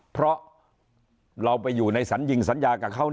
เพราะเราไปอยู่ในสัญญิงสัญญากับเขา